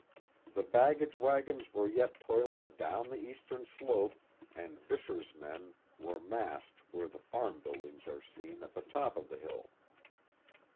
The baggage wagons were yet toiling down the eastern slope and Visscher's men were massed where the farm buildings are seen at the top of the hill.